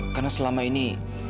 karena selama ini